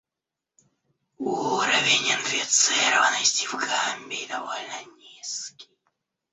Уровень инфицированности в Гамбии довольно низкий.